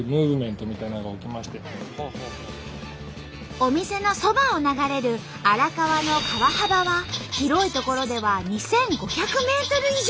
お店のそばを流れる荒川の川幅は広い所では２，５００ｍ以上。